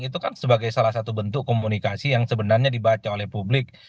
itu kan sebagai salah satu bentuk komunikasi yang sebenarnya dibaca oleh publik